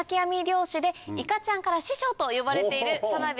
漁師でいかちゃんから師匠と呼ばれている。